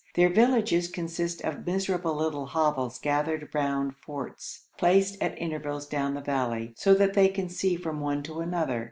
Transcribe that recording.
Their villages consist of miserable little hovels gathered round forts, placed at intervals down the valleys, so that they can see from one to another.